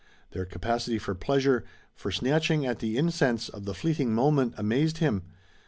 Their capacity for pleasure, for snatching at the incense of the fleeting moment, amazed him.